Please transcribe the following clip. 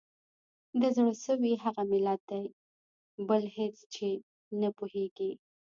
د زړه سوي هغه ملت دی بل په هیڅ چي نه پوهیږي